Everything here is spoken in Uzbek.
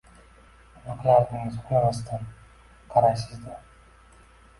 Nima qilardingiz, uxlamasdan qaraysiz-da